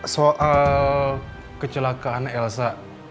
soal kecelakaan elsa